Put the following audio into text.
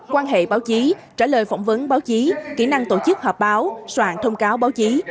quan hệ báo chí trả lời phỏng vấn báo chí kỹ năng tổ chức họp báo soạn thông cáo báo chí